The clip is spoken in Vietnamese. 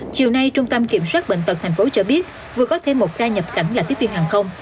chiều nay trung tâm kiểm soát bệnh tật tp hcm cho biết vừa có thêm một ca nhập cảnh là tiếp viên hàng không